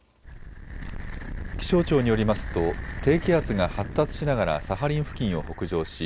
気象庁によりますと低気圧が発達しながらサハリン付近を北上し